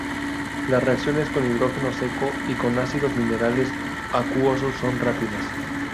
Las reacciones con hidrógeno seco y con ácidos minerales acuosos son rápidas.